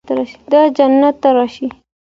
د جنت راشي